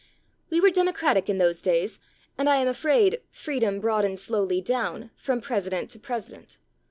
We were democratic in those days, and I am afraid "freedom broadened slowly down " from president to president.